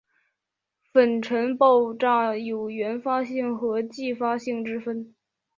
粉尘爆炸有原发性和继发性之分。